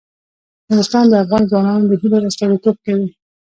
نورستان د افغان ځوانانو د هیلو استازیتوب کوي.